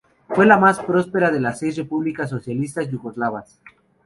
Fue la más próspera de las seis repúblicas socialistas yugoslavas.